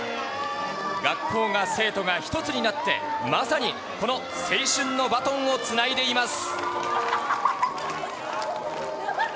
学校が、生徒が一つになって、まさにこの青春のバトンをつないでいます。